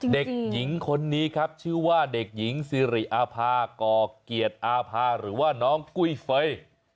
เด็กหญิงคนนี้ครับชื่อว่าเด็กหญิงสิริอาภาก่อเกียรติอาภาหรือว่าน้องกุ้ยเฟย์